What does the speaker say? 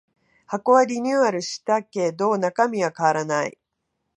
箱はリニューアルしたけど中身は変わらない